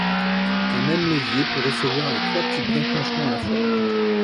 Un même levier peut recevoir les trois types d'enclenchement à la fois.